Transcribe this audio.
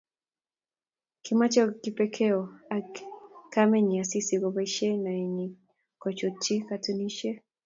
Kimochei Kipokeo ak kamenyi Asisi koboisie naenyi kochutyi katunisiet